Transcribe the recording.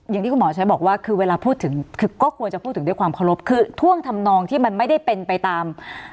อย่างที่คุณหมอใช้บอกว่าคือเวลาพูดถึงคือก็ควรจะพูดถึงด้วยความเคารพคือท่วงทำนองที่มันไม่ได้เป็นไปตาม